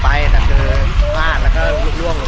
วันนี้เราจะมาจอดรถที่แรงละเห็นเป็น